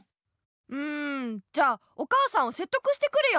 うんじゃあお母さんをせっとくしてくるよ！